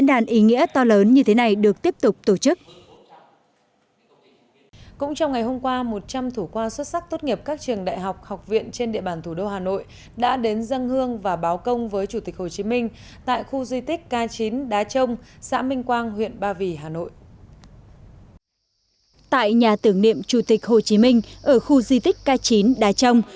tại nhà tưởng niệm chủ tịch hồ chí minh ở khu di tích k chín đá trông